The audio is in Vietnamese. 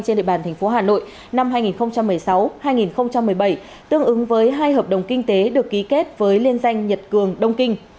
trên địa bàn tp hà nội năm hai nghìn một mươi sáu hai nghìn một mươi bảy tương ứng với hai hợp đồng kinh tế được ký kết với liên danh nhật cường đông kinh